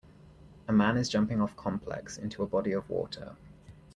A man is jumping off complex into a body of water.